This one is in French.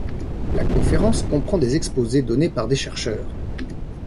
La conférence comprend des exposés donnés par des chercheurs.